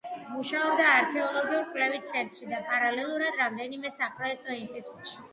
მუშაობდა არქეოლოგიურ კვლევით ცენტრში და პარალელურად რამდენიმე საპროექტო ინსტიტუტში.